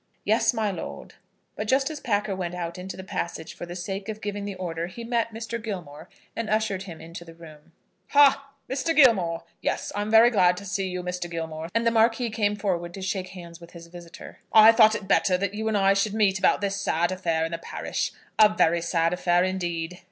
"Yes, my lord." But just as Packer went out into the passage for the sake of giving the order he met Mr. Gilmore, and ushered him into the room. "Ha! Mr. Gilmore; yes, I am very glad to see you, Mr. Gilmore;" and the Marquis came forward to shake hands with his visitor. "I thought it better that you and I should meet about this sad affair in the parish; a very sad affair, indeed."